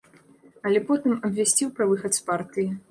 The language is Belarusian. Але потым абвясціў пра выхад з партыі.